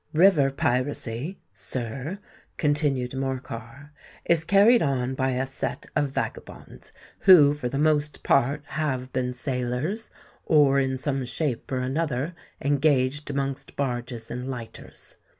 "River piracy, sir," continued Morcar, "is carried on by a set of vagabonds who for the most part have been sailors, or in some shape or another engaged amongst barges and lighters.